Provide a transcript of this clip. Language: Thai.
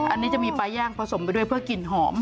อันนี้จะมีปลาย่างผสมไปด้วยเพื่อกลิ่นหอม